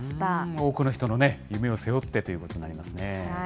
多くの人のね、夢を背負ってということになりますね。